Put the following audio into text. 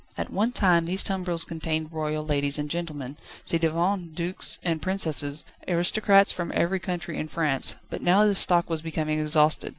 At one time these tumbrils contained royal ladies and gentlemen, ci devant dukes and princesses, aristocrats from every county in France, but now this stock was becoming exhausted.